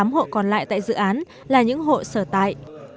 tám hội còn lại tại dự án là những hội sở tại